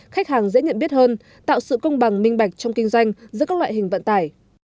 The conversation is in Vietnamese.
khách hàng dễ nhận biết hơn tạo sự công bằng minh bạch trong kinh doanh giữa các loại hình vận tải